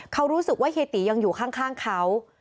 เขารู้สึกว่าเฮียตียังอยู่ข้างเขา